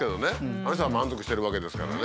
あの人は満足してるわけですからね。